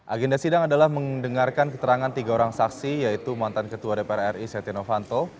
agenda sidang adalah mendengarkan keterangan tiga orang saksi yaitu mantan ketua dpr ri setia novanto